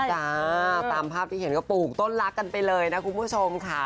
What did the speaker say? จ้าตามภาพที่เห็นก็ปลูกต้นรักกันไปเลยนะคุณผู้ชมค่ะ